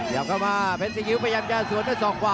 เดี๋ยวก็มาเพศสินคิ้วพยายามจะสวดด้วยส่องขวา